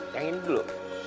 yang ini dulu